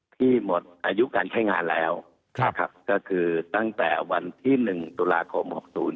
ที่หมดอายุการใช้งานแล้วครับครับก็คือตั้งแต่วันที่หนึ่งตุลาคมหกศูนย์